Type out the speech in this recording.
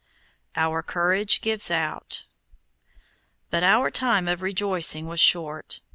OUR COURAGE GIVES OUT But our time of rejoicing was short.